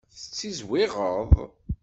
Tettizwiɣeḍ?